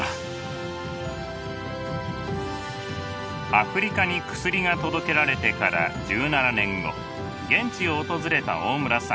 アフリカに薬が届けられてから１７年後現地を訪れた大村さん。